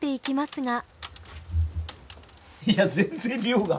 いや全然量が。